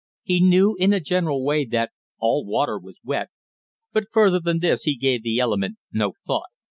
He knew in a general way that all water was wet, but further than this he gave the element no thought.